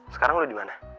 sekarang lu dimana